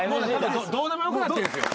どうでもよくなってるんすよ